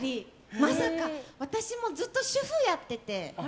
まさか私もずっと主婦をやってて。